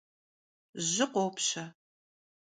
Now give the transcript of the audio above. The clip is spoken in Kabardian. Jı khopşe.